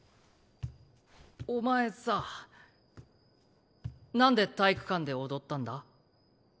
お前さなんで体育館で踊ったんだ？